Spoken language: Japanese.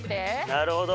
なるほど。